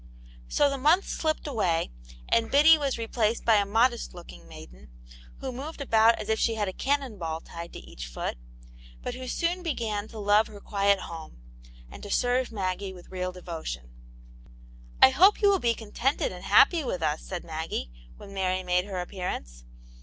So the month slipped away, and Biddy was re placed by a modest looking maiden, who moved about as if she had a cannon ball tied to each foot, but who soon began to love her quiet home, and to serve Maggie with real devotion. " I hope you will be contented and happy with us,*' said Maggie, when Mary made her appearance.